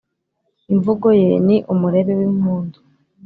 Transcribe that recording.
imvugo ye ni umurebe w’impundu,